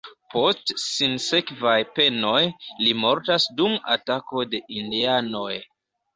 Post sinsekvaj penoj, li mortas dum atako de indianoj.